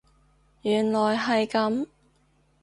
原來係咁